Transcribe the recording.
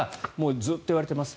ずっと言われています